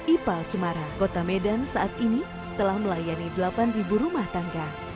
ipal cemara kota medan saat ini telah melayani delapan rumah tangga